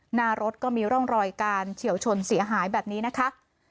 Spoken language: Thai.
หน้ารถก็มีร่องรอยการเฉียวชนเสียหายแบบนี้นะคะ